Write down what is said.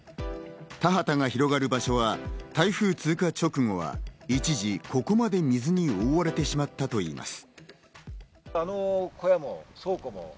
田畑が広がる場所は台風通過直後は一時、ここまで水に覆われてしまったといいます。